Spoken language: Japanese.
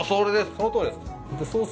そのとおりです。